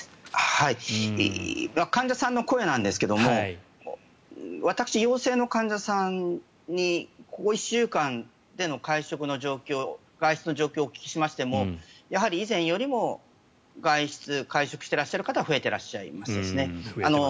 患者さんの声なんですけど私、陽性の患者さんにここ１週間での会食の状況外出の状況を聞きましても以前よりも外出、会食していらっしゃる方は増えていますね。